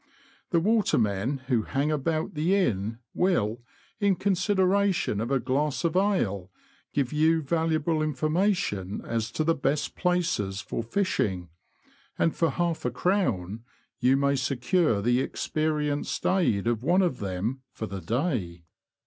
The watermen who hang about the inn will, in consideration of a glass of ale, give you valuable information as to the best places for fishing, and for half a crown you may secure the experienced aid of one of them for the day.